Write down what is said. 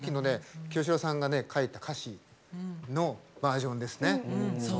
そのときの清志郎さんが書いた歌詞のバージョンですね。